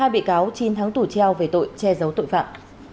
ba bị cáo chín tháng tù treo về tội che giấu tội phạm